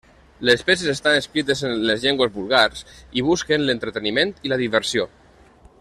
Les peces estan escrites en les llengües vulgars i busquen l'entreteniment i la diversió.